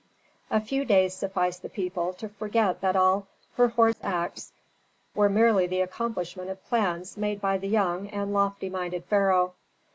A few days sufficed the people to forget that all Herhor's acts were merely the accomplishment of plans made by the young and lofty minded pharaoh.